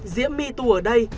diễm my tu ở đây